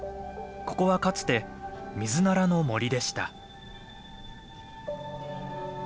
ここはかつてミズナラの森でした。